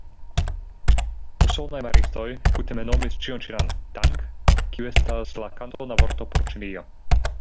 Usonaj maristoj kutime nomis ĉion ĉinan "Tang", kiu estas la kantona vorto por Ĉinio.